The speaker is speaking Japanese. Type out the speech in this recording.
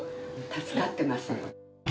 助かってます。